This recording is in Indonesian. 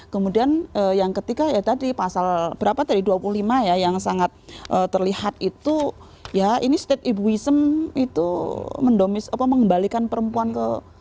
kemudian yang ketiga ya tadi pasal berapa dari dua puluh lima ya yang sangat terlihat itu ya ini state ibuism itu mendomis apa mengembalikan perempuan ke